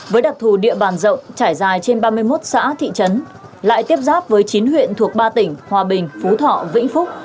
với đặc thù địa bàn rộng trải dài trên ba mươi một xã thị trấn lại tiếp giáp với chín huyện thuộc ba tỉnh hòa bình phú thọ vĩnh phúc